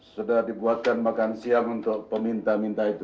sudah dibuatkan makan siang untuk peminta minta itu